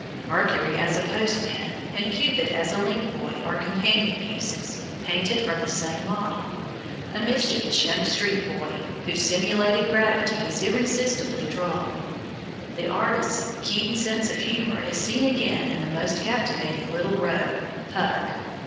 Mercury as a Postman and Cupid as a Link Boy are companion pieces, painted from the same model, a mischievous young street boy, whose simulated gravity is irresistibly droll. The artist's keen sense of humor is seen again in that most captivating little rogue, Puck.